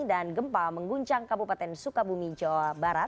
dan gempa mengguncang kabupaten sukabumi jawa barat